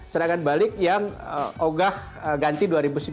sedangkan balik yang ogah ganti dua ribu sembilan belas